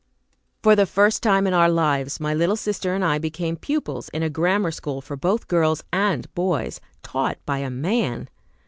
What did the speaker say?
For the first time in our lives, my little sister and I became pupils in a grammar school for both girls and boys, taught by a man.